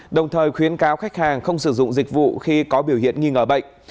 đồng thời khuyến cáo khách hàng không sử dụng dịch vụ khi có biểu hiện nghi ngờ bệnh